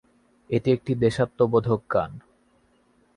এটি একটি দেশাত্মবোধক গান।